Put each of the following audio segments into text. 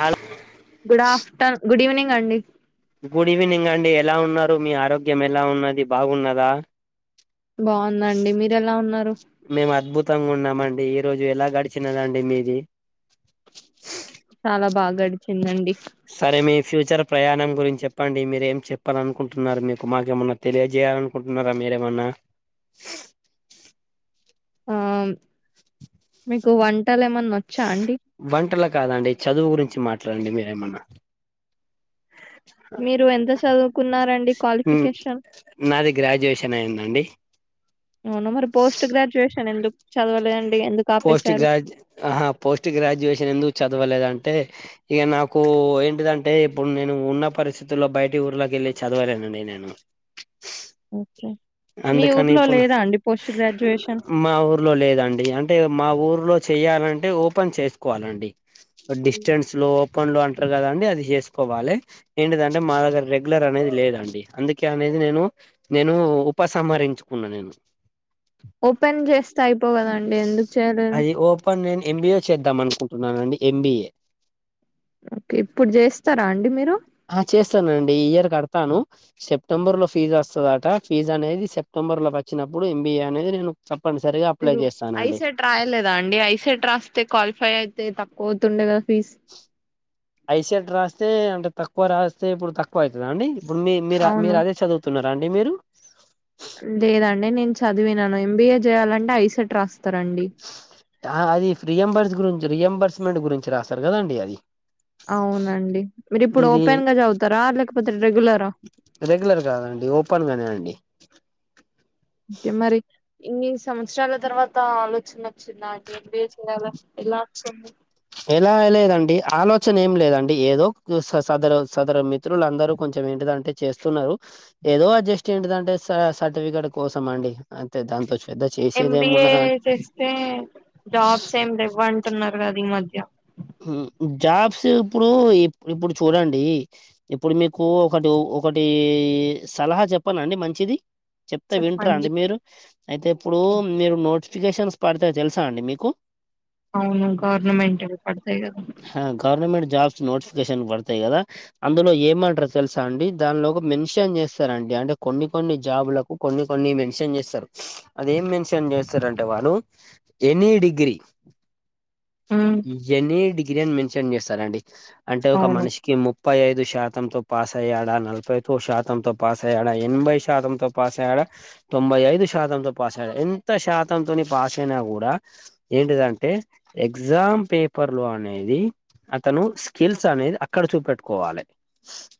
Hello good after good evening అండి good evening అండి ఎలా ఉన్నారు మీ ఆరోగ్యం ఎలా ఉన్నది బాగున్నదా బావుందండి మీరెలా ఉన్నారు మేము అద్భుతంగా ఉన్నామండీ ఈ రోజు ఎలా గడిచినదండి మీది చాలా బా గడిచిందండి సరే మీ ఫ్యూచర్ ప్రయాణం గురించి చెప్పండి మీరు ఏం చెప్పాలి అనుకుంటున్నారు మీకు మాకేమన్నా తెలియజేయాలనుకుంటున్నారా మీరేమన్నా ఆ మీకు వంటలు ఏమన్నా వచ్చా అండి వంటల కాదండి చదువు గురించి మాట్లాడండి మీరేమన్నా మీరు ఎంత చదువుకున్నారండి మ్ క్వాలిఫికేషన్ నాది గ్రాడ్యుయేషన్ అయ్యిందండి అవునా మరి పోస్ట్ గ్రాడ్యుయేషన్ ఎందుకు చదవలేదండి ఎందు పోస్ట్ గ్రాడ్య పోస్ట్ గ్రాడ్యుయేషన్ ఎందుకు చదవలేద్ అంటే ఇగ నాకు ఏంటిదంటే ఇప్పుడు నేను ఉన్న పరిస్థితుల్లో బయటి ఊర్లోకి వెళ్ళి చదవలేనండి నేను ఓకే మీ అందుకని ఊర్లో ఇప్పుడు లేదా అండి పోస్ట్ గ్రాడ్యుయేషన్ మా ఊర్లో లేదండి అంటే మా ఊర్లో చెయ్యాలంటే ఓపెన్ చేసుకోవాలండి డిస్టెన్స్ లో ఓపెన్ లో అంటరు కదండి అది చేసుకోవాలి ఏంటిదంటే మా దగ్గర రెగ్ గ్లర్ అనేది లేదండి అందుకే అనేది నేను నేను ఉపసంహరించుకున్నా నేను ఓపెన్ చేస్తే అయిపో కదండి ఎందుకు చేయలేదు అది ఓపెన్ నేను ఎంబీఏ చేద్దాం అనుకుంటున్నానండి ఎంబీఏ ఓకే ఇప్పుడు చేస్తారా అండి మీరు హా చేస్తానండి ఈ ఇయర్ కడతాను సెప్టెంబర్ లో ఫీజు వస్తదట ఫీజ్ అనేది సెప్టెంబర్ లోకి వచ్చినప్పుడు ఎంబీఏ అనేది నేను తప్పనిసరిగా అప్లై మీరు చేస్తానండి ఐసెట్ రాయలేదా అండి ఐసెట్ రాస్తే క్వాలిఫై అయితే తక్కువ అవుతుండే కదా ఫీజ్ ఐసెట్ రాస్తే అంటే తక్కువ రాస్తే ఇప్పుడు తక్కువ అవుతద అండి ఇప్పుడు మీ మీరు అవును మీరు అదే చదువు స్తున్నారాండి మీరు లేదండి నేను చదివినను ఎంబీఏ చేయాలంటే ఐసెట్ రాస్తారండి ఆ అది ప్రియంబర్స్ గురించి రియంబర్స్మెంట్ గురించి రాస్తారు కదండి అది అవునండి మీరు ఇప్పుడు ఇది ఓపెన్ గా చదువుతరా లేకపోతే రెగ్యులరా రెగ్యులర్ కాదండి ఓపెన్గానే అండి అంటే మరి ఇన్ని సంవత్సరాల తర్వాతా ఆలోచన వచ్చిందా అండి ఎంబిఏ చేయాలని ఎలా వచ్చింది ఎలా లేదండి ఆలోచన ఏం లేదండి ఏదో సదరు సదరు మిత్రులందరూ కొంచెం ఏంటిదంటే చేస్తున్నరు ఏదో అడ్జస్ట్ ఏంటి దంటే సా సర్టిఫికెట్ కోసం అండి అంతే దాంతో పెద్ద చేసేది ఏమి ఎంబిఏ ఉన్నదండి చేస్తే జాబ్స్ ఏమి లెవ్వంటున్నారు కదా ఈ మధ్య జాబ్స్ ఇప్పుడూ ఇప్పుడు చూడండీ ఇప్పుడు మీకూ ఒకటో ఒకటీ సలహా చెప్పనండి మంచిది చెప్తే వింటర చెప్పండి అండి మీరు అయితే ఇప్పుడూ మీరు నోట్స్ ఫికేషన్స్ పడితాయి తెలుసా అండి మీకు అవును గవర్నమెంట్ అవి పడతాయి కదా హా గవర్నమెంట్ జాబ్స్ నోటిఫికేషన్ పడతాయి కదా అందులో ఏమంటరు తెలుసా అండి దానిలోపు మెన్షన్ చేస్తారండి అంటే కొన్ని కొన్ని జాబులకు కొన్ని కొన్ని మెన్షన్ చేస్తరు అదేం మెన్షన్ చేస్తారంటే వాళ్ళు ఎనీ డిగ్రీ మ్మ్ ఎనీ డిగ్రీ అని మెన్షన్ చేస్తారండి అంటే ఒక అవును మనిషికి ముప్ ముప్పై ఐదు శాతంతో పాస్ అయ్యాడా నలభై తొ శాతంతో పాస్ అయ్యాడా ఎనభై శాతంతో పాస్ అయ్యాడా తొంభై ఐదు శాతంతో పాస్ అయినా ఎంత శాతంతోని పాస్ అయినా కూడా ఏంటిదంటే ఎగ్జామ్ పేపర్ పర్లు అనేది అతను స్కిల్స్ అనేది అక్కడ చూపెట్టుకోవాలి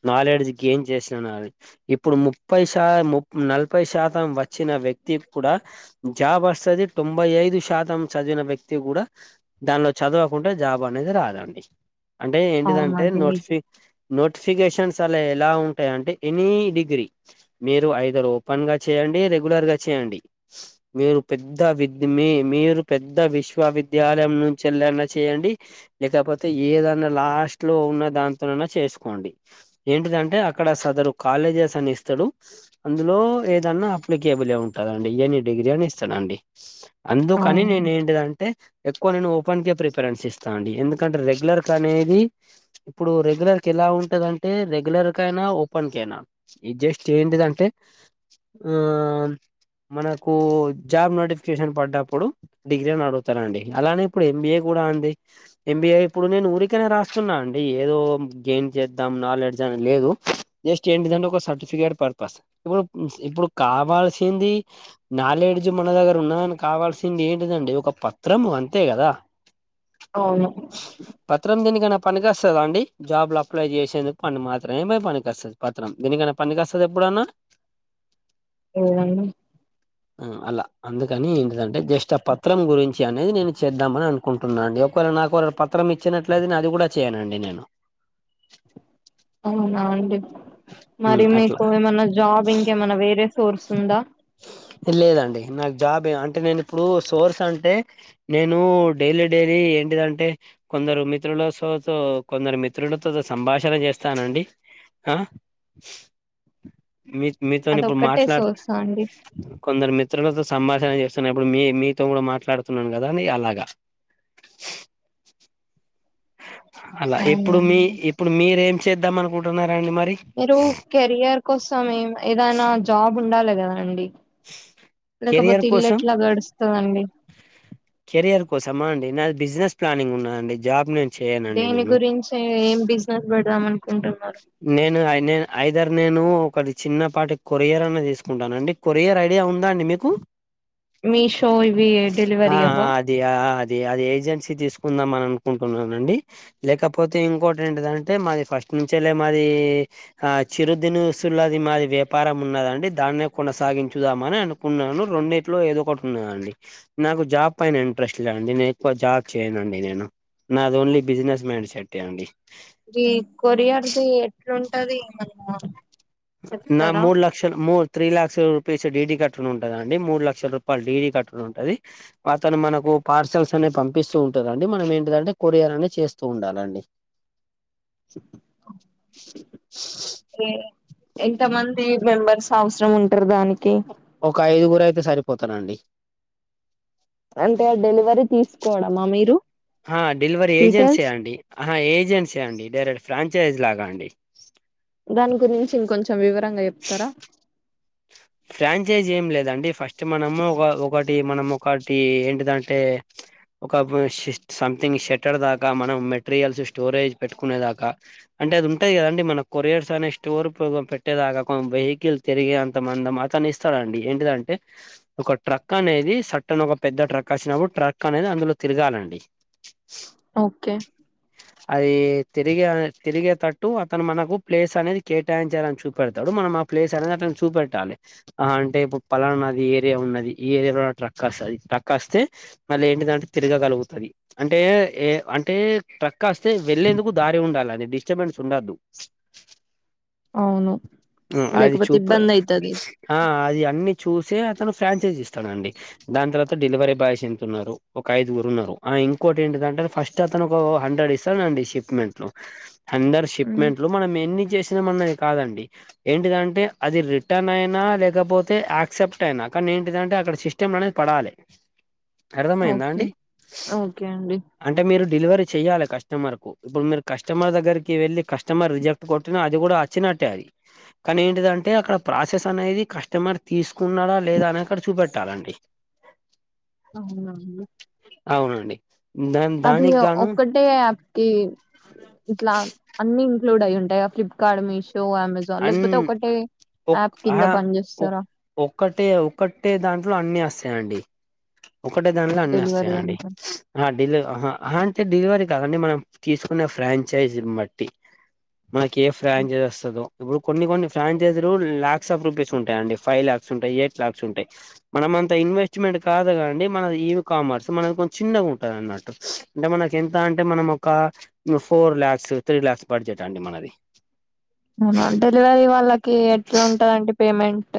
నాలెడ్జ్కి గైన్ చేస్తున్నాది ఇప్పుడు ముప్పై శా ము నలభైశాతం వచ్చిన వ్యక్తి కూడా జాబ్ వస్తది. తొంభైఐదు శాతం చదివిన వ్యక్తి కూడా దానిలో చదువ కుంటే జాబ్ అనేది రాదండి అంటే అవును ఏంటిదంటే అది నిజం నోటిఫి నోటిఫికేషన్స్ అనేవి ఎలా ఉంటాయంటే ఎనీ డిగ్రీ మీరు ఐదర్ ఓపెన్ గా చేయండి, రెగ్యులర్ గా చేయండి. మీరు పెద్ద వి మీ మీరు పెద్ద విశ్వవిద్యాలయం నుంచి వెళ్ళిన చేయండి లేకపోతే ఏదన్నా లాస్ట్ లో ఉన్న దాంతోనైనా చేసుకోండి. ఏంటిదంటే అక్కడ సదరు కాలేజెస్ అని ఇస్తాడు అందులో ఏదన్నా అప్లికేబులే ఉంటాదండి ఎనీ డిగ్రీ అయినా ఇస్తాడండి. అందుకని అవును నేను ఏంటిదంటే ఎక్కువ నేను ఓపెన్ కే ప్రిఫ రెన్స్ ఇస్తానండి, ఎందుకంటే రెగ్యులర్ కి అనేది ఇప్పుడు రెగ్యులర్ కి ఎలా ఉంటదంటే, రెగ్యులర్ కి అయినా ఓపెన్ కి అయినా ఇది జస్ట్ ఏంటిదింటే ఆ మనకు జాబ్ నోటిఫికేషన్ పడ్డప్పుడు డిగ్రీని అడుగుతారండి అలానే ఇప్పుడు ఎంబిఏ కూడా అండీ ఎంబిఏ ఇప్పుడు నేను ఊరికనే రాస్తున్నా అండి, ఏదో గెయిన్ చేద్దాం నాలెడ్జ్ అని లేదు. జస్ట్ ఏంటిదంటే ఒక సర్టిఫికేట్ పర్పస్ ఇప్పుడు ఇప్పుడు కావాల్సింది నాలెడ్జ్ మన దగ్గర ఉన్నదని కావాల్సింది ఏంటిదండి, ఒక పత్రం అంతే కదా. అవును పత్రం దీనికైనా పనికివస్తదా అండి, జాబ్లు అప్లై చేసేందుకు పని మాత్రమే ప పనికివస్తది. పత్రం దేనికన్నా పనికొస్తదా ఎప్పుడన్నా? ఉమ్మ్ అలా అందుకని ఏంటిదంటే జస్ట్ ఆ పత్రం గురించి అనేది నేను చేద్దామని అను కుంటున్నానండి ఒకవేళ నాకు వాళ్ళా పత్రం ఇచ్చినట్లైతే అది కూడా చేయనండి నేను. అవునాండి, మరి మ్ అట్లా మీకు ఏమన్నా జాబ్ ఇంక ఏమన్నా వేరే సోర్స్ ఉందా లేదండి, నాకు జాబే, అంటే నేను ఇప్పుడు సోర్స్ అంటే నేను డైలీ డైలీ ఏంటిదంటే కొందరు మిత్రులసోతో కొందరు మిత్రులతో సంభాషణ చేస్తానండి. ఆ మీ మీతోని ఇప్పుడు మాట్లాడు ఆండి కొందరు మిత్రులతో సంభాషణ చేస్తున్నా, ఇప్పుడు మీ మీతో కూడా మాట్లాడుతున్నాను కదాండి, అలాగ అలా, అవునా ఇప్పుడు మీ అండి. ఇప్పుడు మీరేం చేద్దాం అనుకుంటున్నారాండి మరి. మీరు కెరియర్ కోసం ఏం ఏదైనా జాబ్ ఉండాలి కదాండి. లేకపోతే కెరియర్ ఇల్లు కోసం ఎట్లా గడుస్తదండి. కెరియర్ కోసమా అండి, నాది బిజినెస్ ప్లానింగ్ ఉన్నాదండి, జాబ్ నేను చేయనండి దేని నేను గురించి, ఏం బిజినెస్ పెడదాం అనుకుంటున్నారు. నేను నే ఐదర్ నేను ఒకటి చిన్నపాటి కొరియర్ అన్నా తీసుకుంటానండి. కొరియర్ ఐడియా ఉందా అండి మీకు. మీషో ఇవి డెలివరీ అవ్వా? ఆ అది అది ఏజెన్సీ తీసుకుందాం అని అనుకుంటున్నానండి. లేకపోతే ఇంకోటి ఏంటిదంటే మాది ఫస్ట్ నుంచళ్ళే మాది ఆ చిరుదినుసులది మాది వ్యాపారం ఉన్నదండి దాన్నే కొనసాగించుదామని అనుకున్నాను రెండింటిలో ఏదో ఒకటి ఉన్నాండి నాకు జాబ్ పైన ఇంట్రెస్ట్ లేదండి నేను ఎక్కువ జాబ్ చేయనుండి నేను నాది ఓన్లీ బిజినెస్ మైండ్ సెట్ ఏ అండి ఈ కొరియర్ది ఎట్లుంటది మన నా మూడు ల లక్ష మూ త్రీ లాక్స్ రూపీస్ డి కట్టుడు ఉంటది అండి మూడు లక్షల రూపాయల డిడీ కట్టడం ఉంటది అతను మనకు పార్సల్స్ అనే పంపిస్తూ ఉంటుందిండి మనం ఏంటంటే కొరియర్ అనేది చేస్తూ ఉండాలండి ఎంత మంది మెంబర్స్ అవసరం ఉంటారు దానికి ఒక ఐదుగురు అయితే సరిపోతారండి అంటే ఆ డెలివరీ తీసుకోవడమా మీరు ఆ డెలివరీ ఏజెన్సీ డీటెయిల్స్ అండి ఆ ఏజెన్సీ అండి డైరెక్ట్ ఫ్రాంచైజ్ లాగా అండి దాని గురించి ఇం కొంచెం వివరంగా చెప్తారా ఫ్రాంచైజీ ఏం లేదండి ఫస్ట్ మనము ఒక ఒకటి మనం ఒకటి ఏంటిదంటే ఒక సంథింగ్ షెటర్ దాకా మనం మెటీరియల్స్ స్టోరేజ్ పెట్టుకునే దాకా అంటే అది ఉంటాది కదాండి మన కొరియర్స్ అనే స్టోర్ పెట్టేదాకా కొ వెహికల్ తిరిగే అంత మందం అతను ఇస్తాడుండి ఏంటిదంటే ఒక ట్రక్ అనేది సాటర్న్ ఒక పెద్ద ట్రక్ వచినప్పుడు ట్రక్ అనేది అందులో తిరగాలండి ఓకే అది తిరిగే తిరిగేటట్టు అతను మనకు ప్లేస్ అనేది కేటాయించాలని చూపెడతాడు మనం ప్లేస్ అనేది అతనికి చూపెట్టలీ ఆ అంటే ఇప్పుడు పలానా నది ఏరియా ఉన్నది ఈ ఏరియాలో ట్రక్ వస్తుది ట్రక్ వస్తే మళ్ళీ ఏంటిదంటే తిరగగలుగుతుంది అంటే ఏ అంటే ట్రక్ వస్తె వెళ్లేందుకు దారి ఉండాలండి డిస్టర్బెన్స్ ఉండద్దు అవును అది లేకపోతే చూపు ఇబ్బంది అవుతది ఆ అది అన్ని చూసి అతను ఫ్రాంచైజీ ఇస్తారండి దాని తర్వాత డెలివరీ బాయ్స్ ఎంతున్నారు ఒక ఐదుగురు ఉన్నారు ఇంకోటి ఏంటిదంటే ఫస్ట్ ఇ అతను ఒక హండ్రెడ్ ఇస్తా అండి షిప్మెంట్ లో అండర్ ఉమ్, షిప్మెంట్ మనం ఎన్ని చేసినం అనేది కాదు అండి ఇంటింటే అది రిటర్న్ అయిన లేకపోతే యాక్సెప్ట్ అయినా కానీ ఏంటిదంటే అక్కడ సిస్టమ్ అనేది పడాలి అర్థమైయందా ఓకే అండి ఓకే అండి అంటే మీరు డెలివరీ చెయ్యాలి కస్టమర్ కు ఇప్పుడు మీరు కస్టమర్ దగ్గరికి వెళ్ళి కస్ కస్టమర్ రిజెక్ట్ కొట్టిన అది కూడా వచ్చినట్టే అది కానీ ఏంటిదంటే అక్కడ ప్రాసెస్ అనేది కస్టమర్ తీసుకున్నాడా లేదా అనేది అక్కడ చూపెట్టాలండి అవున అండి అవునండి దా అది దానికి గాను ఒక్కటి అంటే యాప్ కి ఇట్లా అన్ని ఇంక్లూడ్ అయి ఉంటాయ ఫ్లిప్కార్ట్ మీసో సో అమెజాన్ అన్ లేకపోతే ఒకటే యాప్ కింద పని చేస్తారా ఒకటే ఒకటే దాంట్లో అన్ని వస్తాయండి ఒకటే దాంట్లో అన్ని వస్తాయి డెలివరీ అండి దాంట్లో డెలి అంటే డెలివరీ కాదండి మనం తీసుకునే ఫ్రాంచైజీనీ బట్టి మనకి ఏ ఫ్రాంచైజ్ వస్తాడో ఇప్పుడు కొన్ని కొన్ని ఫ్రాంచైజ్లు క్ సఫ్ రూపీస్ ఉంటాయండి ఫై లాక్స్ ఉంటై ఎట్ లాక్స్ంటై మనం అంత ఇన్వెస్ట్మెంట్ కాదు గాండి మనది ఇవ్ కామర్స్ మనది కొంచం చిన్నగుంటంది అన్నమాట్టు అంటే మనకి ఎంత అంటే మనం ఒక four lakhs three lakhs budget అండి మనది అవున డెల్వరీ వాళ్ళకి ఎట్లా ఉంటంఅంటి పేమెంట్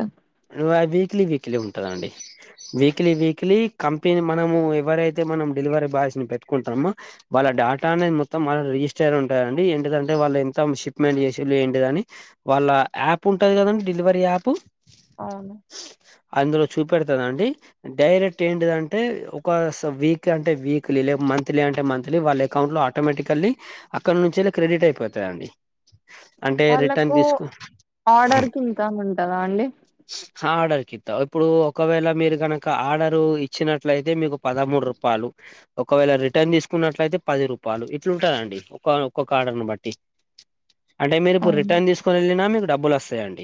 ఇవ వీక్లీ వీక్లీ ఉంటుందండి. వీక్లీ వీక్లీ కంపెనీ మనమూ ఎవరైతే మనం డెలివరీ బాయ్స్ పెట్టుకుంటామో వాళ్ళ డాట అనేది మొత్తం మన రిజిస్టర్ ఉంటదండి ఏంటిదంటే వాళ్ళు ఎంత షిప్మెంట్ చేషిల్లు ఏంటిదని వాళ్ళ ఆప్ ఉంటది కదండి డెలివరీ యాప్ అవును అందులో చూపెడ్తాదండి. డైరెక్ట్ ఏంటిదంటే ఒక స వీక్ అంటే వీక్లీ లే మంత్లీ అంటే మంత్లీ వాళ్ళ అకౌంట్లో టోమేటికల్లీ అక్కనుంచేలే క్రెడిట్ అయిపోతదండి. అంటే రిటర్న్ వాళ్ళకూ తీసుకు ఆర్డర్కి ఇన్కమ్ ఉంటద అండి. ఆడర్కి కిత్త ఇప్పుడూ ఒకవేళ మీరు గనుక ఆడరూ ఇచ్చినట్లయితే మీకు పదమూడు రూప్ పాలు ఒకవేళ రిటర్న్ దిస్కున్నట్లయితే పది రూపాలు ఇట్లుంటదండి ఒ ఒక్కొక్క ఆర్డర్ని బట్టి అంటే మీరు ఇప్పుడు అవును రిటర్న్ దిస్కుని ఎళ్ళినా మీకు డబ్బులు ఒస్సయండి.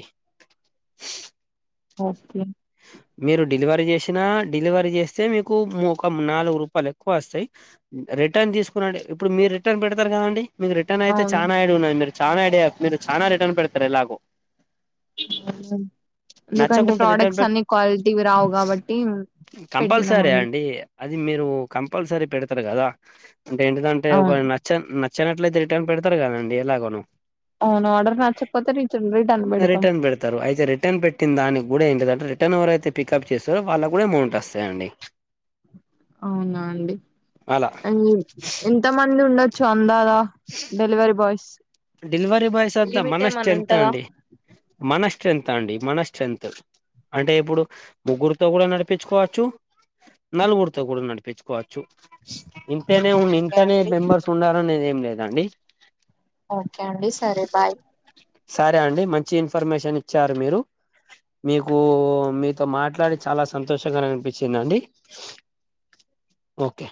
ఓకే మీరు డెలివరీ జేషినా డెలివరీ జేస్తే మీకు ముకం నాలుగు రూపాలు ఎక్వ అస్తాయి రిటర్న్ దిస్కునడె ఇప్పుడు మీరు రిటర్న్ పెడ్తారు కదా అండి మీకు రిటన్ ఐతే అవును చానా ఐడియ ఉన్నది మీరు చాలా ఐడియ మీరు చాలనా రిటన్ పెడ్తరు ఎలాగో ఎందుకంటే నచ్చకుంటే రిటర్న్ ప్రొడక్ట్స్ పె అన్ని క్వాలిటీవి రావు కాబట్టిమ్ పెట్టినము కంపల్సరీ అన్నీ అండి అది మీరూ కంపల్సరీ పెడ్తరు గదా అంటే ఎంటిదంటే ఒక అవును చం నచ్చనట్లయితే రిటన్ పెడ్తరు కదండి ఎలాగోనో అవును ఆర్డర్ నచ్చక్పోతే రిటర్న్ రిటర్న్ పెడ్తాం రిటర్న్ అయితే రిటర్న్ పెట్టిందనిక్ గూడా ఇంటిదంటే రిటర్న్ ఎవరైతే పికప్ చేస్తారో వాళ్ళక్ గూడా ఏమౌంట్ అస్సయండి. అవునా అండి అలా ఇయ్యి ఎంత మంది ఉండొచ్చు అందాదా డెలివరీ బాయ్స్ డెలివరీ బాయ్స్ అంతా లిమిట్ మనస్ ఏమన్నా స్టెంత్ ఉంటదా అండి మన స్ట్రెంత అండి మన స్ట్రెంతు అంటే ఇప్పుడు ముగ్గురుతో కూడా నడిపించుకోవచ్చు నలుగురితో కూడా నడిపించుకోవచ్చు ఇంతేనే ఉ ఓకే ఇంతనే అండి మెంబర్స్ ఉండారనేది ఏం లేదండి. ఓకే అండి సరే బాయ్ సరే అండి మంచి ఇన్ఫర్మేషన్ ఇచ్చారు మీరు మీకు మీతో మాట్లాడి చాలా సంతోషకారం అన్పించిందిండి. ఓకే